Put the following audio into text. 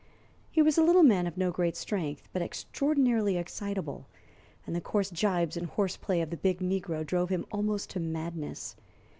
He was a little man of no great strength, but extraordinarily excitable, and the coarse gibes and horse play of the big negro drove him almost to madness.